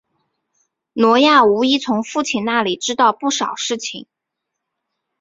挪亚无疑从父亲那里知道不少事情。